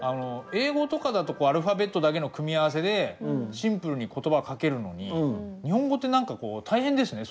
英語とかだとアルファベットだけの組み合わせでシンプルに言葉書けるのに日本語って何か大変ですね。